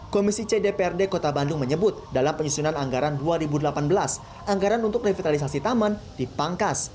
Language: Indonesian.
komisi cdprd kota bandung menyebut dalam penyusunan anggaran dua ribu delapan belas anggaran untuk revitalisasi taman dipangkas